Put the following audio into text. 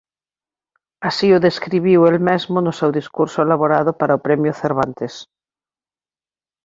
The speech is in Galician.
Así o describiu el mesmo no seu discurso elaborado para o Premio Cervantes.